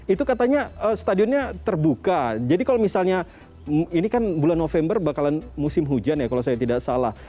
itu katanya stadionnya terbuka jadi kalau misalnya ini kan bulan november bakalan musim hujan ya kalau saya tidak salah